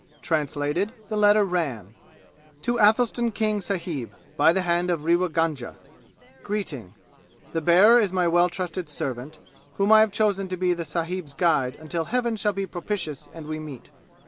Translated, the letter ran: "To Athelstan King sahib, by the hand of Rewa Gunga. Greeting. The bearer is my well trusted servant, whom I have chosen to be the sahib's guide until Heaven shall be propitious and we meet.